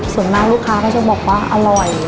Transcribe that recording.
ส่วนมากลูกค้าก็จะบอกว่าอร่อย